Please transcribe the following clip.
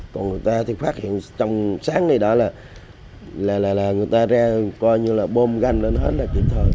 còn người ta thì phát hiện trong sáng này đó là người ta ra coi như là bôm ganh lên hết là kịp thôi